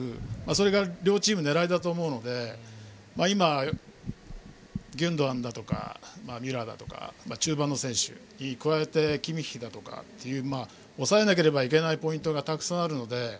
それが両チーム狙いだと思うので今、ギュンドアンとかミュラーとか中盤の選手に加えてキミッヒとか抑えなければいけないポイントがたくさんあるので。